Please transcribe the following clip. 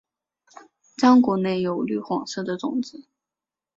浆果内有绿黄色的种子。